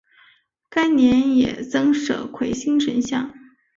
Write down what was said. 该年也增设魁星神像。